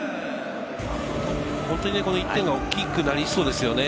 本当に、この１点が大きくなりそうですよね。